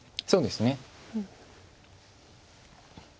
そうですね。